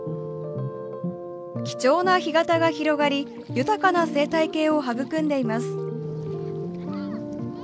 貴重な干潟が広がり豊かな生態系を育んでいます。